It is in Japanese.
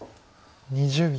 ２０秒。